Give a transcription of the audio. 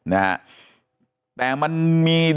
นะฮะแต่มันมี